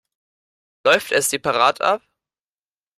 Läuft es separat ab?